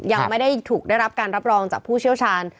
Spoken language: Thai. ยังไม่ได้ถูกได้รับการรับรองจากผู้เชี่ยวชาญ